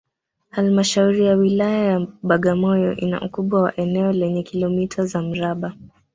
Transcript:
Halmashauri ya Wilaya ya Bagamoyo ina ukubwa wa eneo lenye kilometa za mraba